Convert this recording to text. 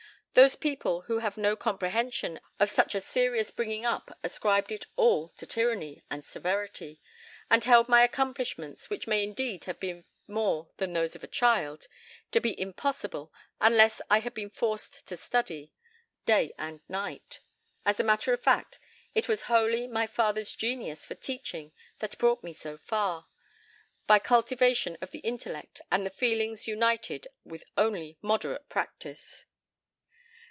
Those people who have no comprehension of such a serious bringing up ascribed it all to tyranny and severity, and held my accomplishments, which may indeed have been more than those of a child, to be impossible unless I had been forced to study day and night. As a matter of fact, it was wholly my father's genius for teaching that brought me so far, by cultivation of the intellect and the feelings united with only moderate practice."